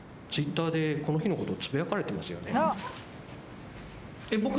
Ｔｗｉｔｔｅｒでこの日のことつぶやかれてますよね？